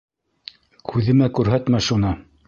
Күҙемә күрһәтмә шуны!